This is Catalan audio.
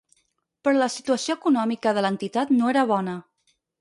Però la situació econòmica de l'entitat no era bona.